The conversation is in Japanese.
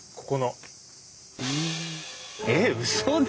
えっうそだ。